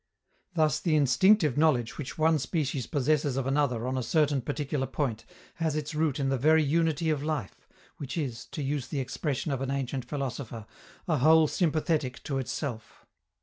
Thus the instinctive knowledge which one species possesses of another on a certain particular point has its root in the very unity of life, which is, to use the expression of an ancient philosopher, a "whole sympathetic to itself."